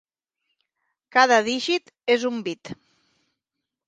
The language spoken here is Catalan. Cada dígit és un bit.